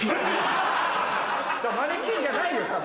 マネキンじゃないよ多分。